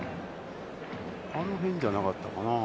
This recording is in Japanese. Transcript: あの辺じゃなかったかな。